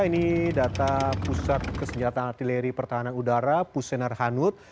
ini data pusat kesenjataan artileri pertahanan udara pusenar hanut